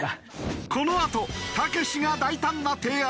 このあとたけしが大胆な提案！